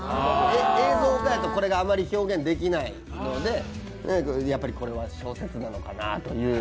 映像だと、これがあまり表現できないので、やっぱりこれは小説なのかなという。